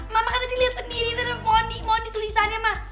mama kan tadi liat sendiri tadi moni moni tulisannya mah